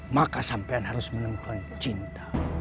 maka sampean harus menemukan cinta